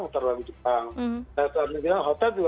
memutar lagu jepang hotel juga